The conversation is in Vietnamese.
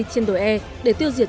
trên đội e để tiêu diệt